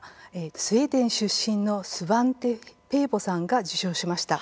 スウェーデン出身のスバンテ・ペーボさんが受賞しました。